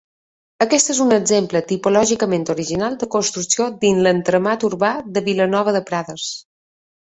Aquest és un exemple tipològicament original de construcció dins l'entramat urbà de Vilanova de Prades.